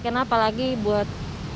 karena apalagi buat